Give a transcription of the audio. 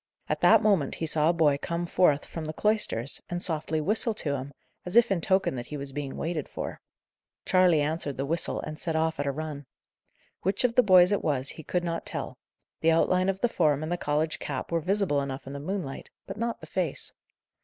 At that moment he saw a boy come forth from the cloisters, and softly whistle to him, as if in token that he was being waited for. Charley answered the whistle, and set off at a run. Which of the boys it was he could not tell; the outline of the form and the college cap were visible enough in the moonlight; but not the face.